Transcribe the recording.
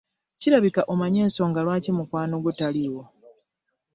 Kirabika omanyi ensonga lwaki mukwano gwo taliiwo.